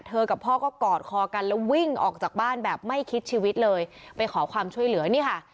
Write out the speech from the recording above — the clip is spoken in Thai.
กับพ่อก็กอดคอกันแล้ววิ่งออกจากบ้านแบบไม่คิดชีวิตเลยไปขอความช่วยเหลือนี่ค่ะ